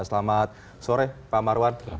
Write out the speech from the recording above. selamat sore pak marwan